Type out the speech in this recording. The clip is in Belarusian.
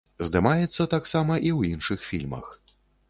Здымаецца таксама і ў іншых фільмах.